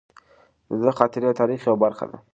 د ده خاطرې د تاریخ یوه برخه ده.